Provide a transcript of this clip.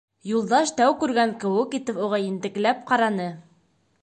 Юлдаш тәү күргән кеүек итеп уға ентекләп ҡараны.